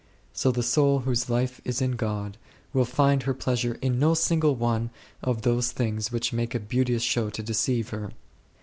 So the soul whose life is in God will find her pleasure4 in no single one of those things which make a beauteous show to deceive her.